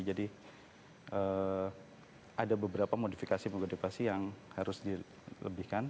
jadi ada beberapa modifikasi modifikasi yang harus dilebihkan